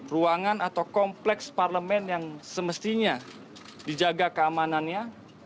ruangan atau kompleks parlemen yang semestinya dijaga keamanannya